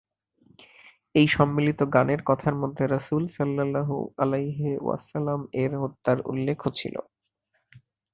এই সম্মিলিত গানের কথার মধ্যে রাসূল সাল্লাল্লাহু আলাইহি ওয়াসাল্লাম-এর হত্যার উল্লেখও ছিল।